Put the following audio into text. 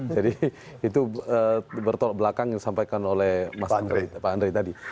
jadi itu bertolak belakang yang disampaikan oleh pak andri tadi